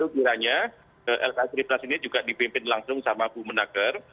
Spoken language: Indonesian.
tentu kiranya lks triplas ini juga dipimpin langsung sama bu menager